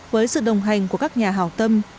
với sự đồng hành của các nhà hào tâm